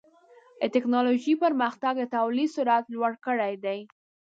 د ټکنالوجۍ پرمختګ د تولید سرعت لوړ کړی دی.